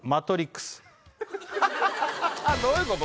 どういうこと？